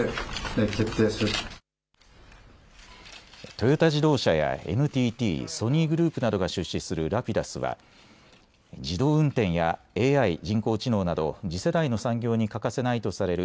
トヨタ自動車やＮＴＴ、ソニーグループなどが出資するＲａｐｉｄｕｓは自動運転やＡＩ・人工知能など次世代の産業に欠かせないとされる